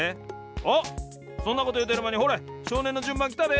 あっそんなこというてるまにほれしょうねんのじゅんばんきたで！